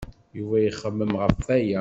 Yuba ixemmem ɣef waya.